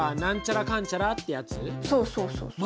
そうそうそうそう。